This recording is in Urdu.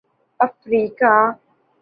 افریقہ